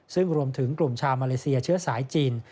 ซึ่งรวมถึงกลุ่มชาวมาเลเซียเชื้อสายจีน